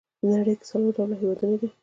په نړۍ کې څلور ډوله هېوادونه دي.